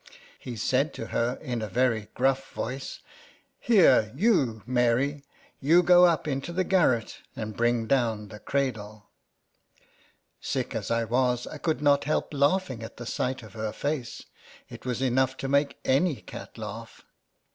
He said to her in a very gruff voice, LETTERS FROM A CAT. 75 " Here you, Mary, you go up into the garret and bring down the cradle/' Sick as I was, I could not help laughing at the sight of her face. It was enough to make any cat laugh.